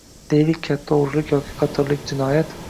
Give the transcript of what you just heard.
Deylik, katta o‘g‘rilik yoki qotillik jinoyat